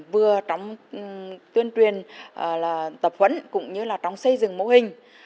vừa trong tuyên truyền tập huấn cũng như là trong xây dựng mô hình